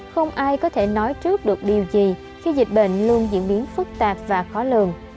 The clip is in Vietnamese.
không ai có thể nói trước được điều gì khi dịch bệnh luôn diễn biến phức tạp và khó lường